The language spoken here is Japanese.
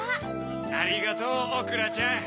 ありがとうおくらちゃん。